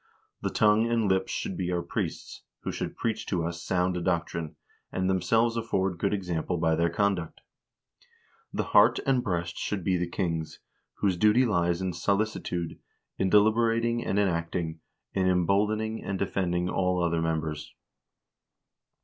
The tongue and lips should be our priests, who should preach to us sound doctrine, and themselves afford good example by their conduct. The heart and breast should be the kings, whose duty lies in solicitude, in deliberat ing and in acting, in emboldening and defending all other members.